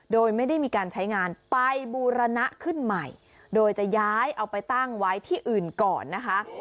โดยไม่ได้มีการใช้งานไปบูรณะขึ้นใหม่โดยจะย้ายเอาไปตั้งไว้ที่อื่นก่อนนะคะ